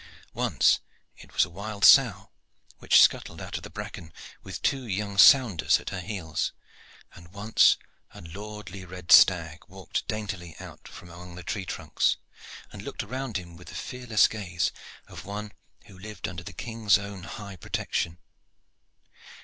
Once it was a wild sow which scuttled out of the bracken, with two young sounders at her heels, and once a lordly red staggard walked daintily out from among the tree trunks, and looked around him with the fearless gaze of one who lived under the King's own high protection.